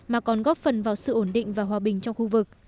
mà còn góp phần vào sự ổn định và hòa bình trong khu vực